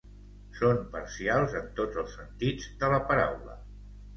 Són parcials en tots els sentits de la paraula